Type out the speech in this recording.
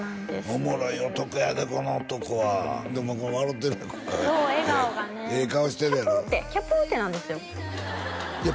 おもろい男やでこの男はでもこれ笑うてるそう笑顔がねええ顔してるやろキャプってキャプってなるんですよいや